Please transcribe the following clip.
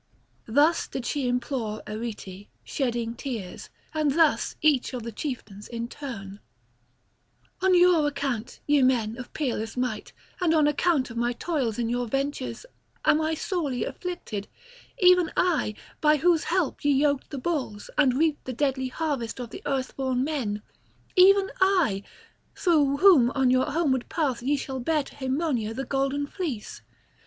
Thus did she implore Arete, shedding tears, and thus each of the chieftains in turn: "On your account, ye men of peerless might, and on account of my toils in your ventures am I sorely afflicted; even I, by whose help ye yoked the bulls, and reaped the deadly harvest of the earthborn men; even I, through whom on your homeward path ye shall bear to Haemonia the golden fleece.